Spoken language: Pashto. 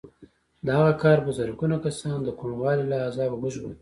د هغه کار به زرګونه کسان د کوڼوالي له عذابه وژغوري